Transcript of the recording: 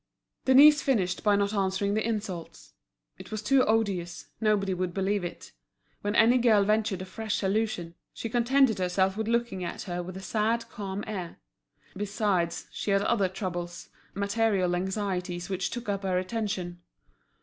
Denise finished by not answering the insults. It was too odious, nobody would believe it. When any girl ventured a fresh allusion, she contented herself with looking at her with a sad, calm air. Besides, she had other troubles, material anxieties which took up her attention.